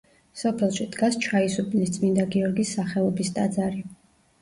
სოფელში დგას ჩაისუბნის წმინდა გიორგის სახელობის ტაძარი.